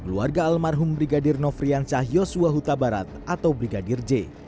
keluarga almarhum brigadir nofrian syahyos wahuta barat atau brigadir j